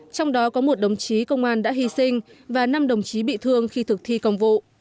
trong đó có một đồng chí công an đã hy sinh và năm đồng chí bị thương khi thực thi công vụ